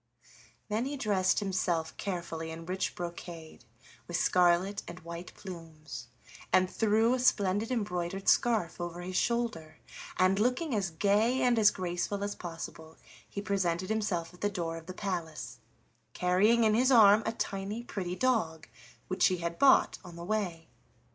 Then he dressed himself carefully in rich brocade, with scarlet and white plumes, and threw a splendid embroidered scarf over his shoulder, and, looking as gay and as graceful as possible, he presented himself at the door of the palace, carrying in his arm a tiny pretty dog which he had bought on the way.